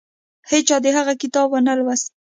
هیچا د هغه کتاب ونه لوست.